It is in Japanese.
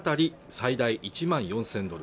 最大１万４０００ドル